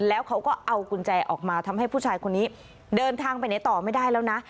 แล้วเขาก็เอากุญแจออกมาทำให้ผู้ชายคนนี้เดินทางไปไหนต่อไม่ได้แล้วนะ